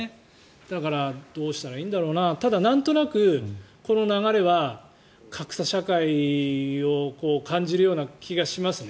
だからどうしたらいいんだろうなただ、なんとなくこの流れは格差社会を感じるような気がしますね。